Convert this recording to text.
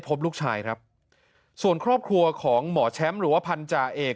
พบลูกชายครับส่วนครอบครัวของหมอแชมป์หรือว่าพันธาเอก